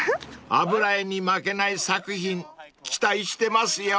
［油絵に負けない作品期待してますよ］